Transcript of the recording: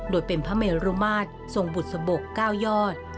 โดยเป็นพระเมรุมาตรทรงบุษบก๙ยอด